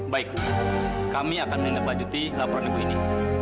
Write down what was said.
baik kami akan menindak bajuti laporan itu ini